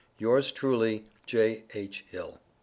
Yours truly J.H. HILL.